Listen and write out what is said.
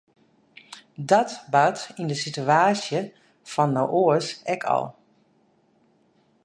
Dat bart yn de sitewaasje fan no oars ek al.